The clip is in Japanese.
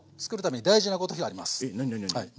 えっ何何何？